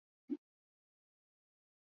旅游业对巴伊亚的经济发展越来越重要。